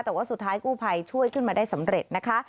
แต่ว่าสุดท้ายกู้ภัยช่วยขึ้นมาได้สำเร็จนะคะ